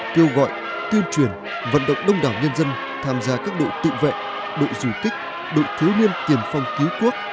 kêu gọi tiên truyền vận động đông đảo nhân dân tham gia các đội tự vệ đội du kích đội thiếu niên tiềm phong cứu quốc